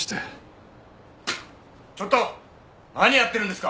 ちょっと何やってるんですか！